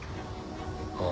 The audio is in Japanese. ああ。